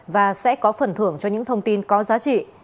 và sẽ có phần thưởng cho những thông tin có giá trị